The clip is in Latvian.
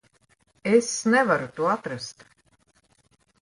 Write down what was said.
Es nevaru to atrast.